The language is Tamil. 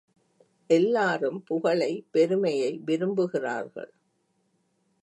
எல்லாரும் புகழை பெருமையை விரும்புகிறார்கள்.